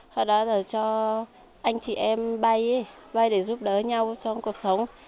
hồi đó là cho anh chị em bay bay để giúp đỡ nhau trong cuộc sống